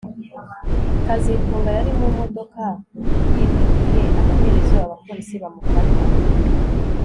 kazitunga yari mu modoka yibwe igihe amaherezo abapolisi bamufata